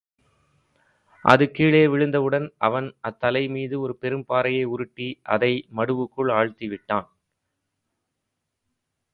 அது கீழே விழுந்தவுடன் அவன் அத்தலை மீது ஒரு பெரும்பாறையை உருட்டி, அதை மடுவுக்குள் ஆழ்த்திவிட்டான்.